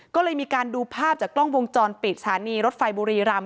ก็เลยมีการดูภาพจากกล้องวงจรปิดสถานีรถไฟบุรีรำ